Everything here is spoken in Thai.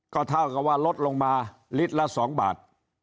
ก็เท่ากับว่าลดลงมาลิตรละ๒บาท